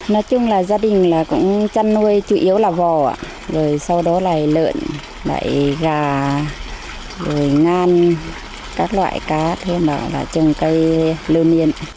nói chung là gia đình cũng chăn nuôi chủ yếu là vò rồi sau đó là lợn gà ngàn các loại cá thêm là trồng cây lưu niên